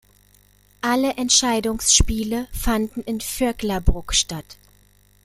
Alle Entscheidungsspiele fanden in Vöcklabruck statt.